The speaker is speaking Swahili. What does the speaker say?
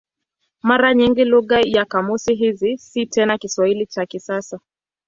Mara nyingi lugha ya kamusi hizi si tena Kiswahili cha kisasa.